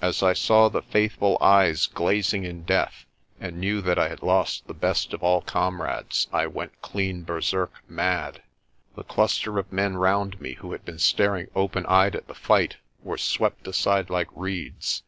As I saw the faithful eyes glazing in death and knew that I had lost the best of all comrades, I went clean berserk mad. The cluster of men round me, who had been staring open eyed at the fight, were swept aside like reeds.